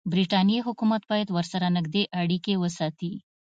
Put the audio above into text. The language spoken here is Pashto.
برټانیې حکومت باید ورسره نږدې اړیکې وساتي.